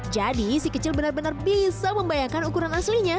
jadi si kecil benar benar bisa membayangkan ukuran aslinya